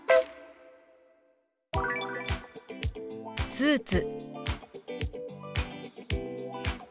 「スーツ」。